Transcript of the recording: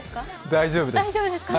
大丈夫です。